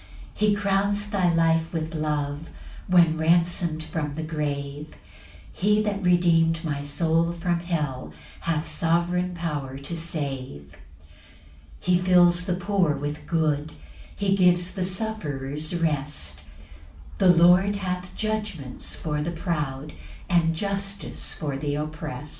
4 He crowns thy life with love, When ransom'd from the grave; He that redeem'd my soul from hell Hath sovereign power to save. 5 He fills the poor with good; He gives the sufferers rest; The Lord hath judgments for the proud, And justice for th' opprest.